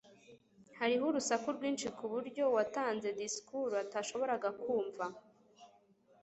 hariho urusaku rwinshi kuburyo uwatanze disikuru atashoboraga kumva